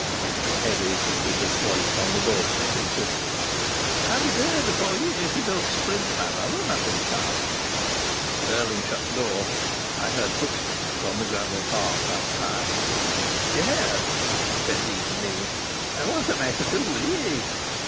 the heavy, suspicious voice on the doorstep insisted. "I'll be there before ye if ye don't sprint, man. I'll run up in the car." Stirling shut the door. I heard footsteps on the gravel path outside. "Ye heard?" said he to me. "And what am I to do with ye?"